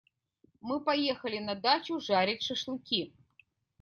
Мы поехали на дачу жарить шашлыки.